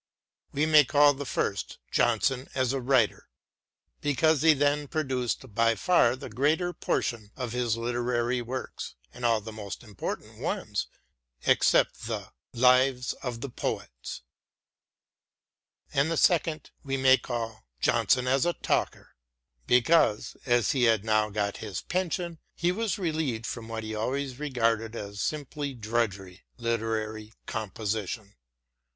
We may call the first Johnson as a Writer, because he then produced by far the greater portion of his literary works and all the most important ones except the " Lives of the Poets "; and the second we may call Johnson as a Talker, because, as SAMUEL JOHNSON 31 he had now got his pension, he was relieved from what he always regarded as simple drudgery, literary composition.